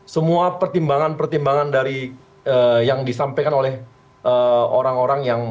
semua pertimbangan pertimbangan dari yang disampaikan oleh orang orang yang